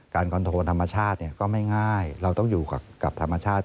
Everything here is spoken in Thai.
คอนโทรธรรมชาติก็ไม่ง่ายเราต้องอยู่กับธรรมชาติ